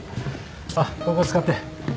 あっここ使って。